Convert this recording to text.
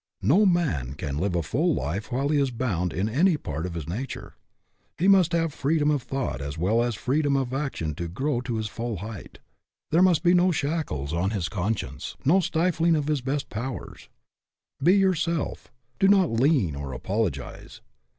No man can live a full life while he is bound in any part of his nature. He must have freedom of thought as well as freedom of action to grow to his full height. There must be no shackles on his conscience, no Stirling of his best powers. Be yourself. Do not lean or apologize.